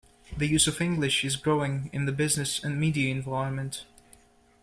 The use of English is growing in the business and media environment.